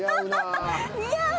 似合う！